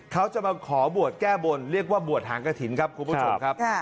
เขาจะมาขอบวชแก้บนเรียกว่าบวชหางกระถิ่นครับคุณผู้ชมครับ